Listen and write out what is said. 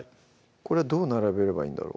これどう並べればいいんだろう